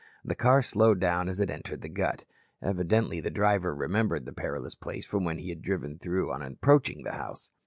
The car slowed down as it entered the Gut. Evidently the driver remembered the perilous place from when he had driven through on approaching the house.